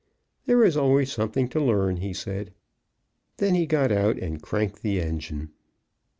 There is always something to learn, he said. Then he got out and cranked the engine.